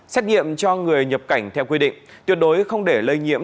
xét nghiệm cho người nhập cảnh theo quy định tuyệt đối không để lây nhiễm